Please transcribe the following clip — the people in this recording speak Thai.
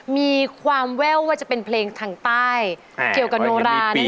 มีความแววว่าจะเป็นเพลงทางใต้เกี่ยวกับโนรา